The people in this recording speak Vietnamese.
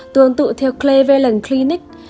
tương tự theo cleveland clinic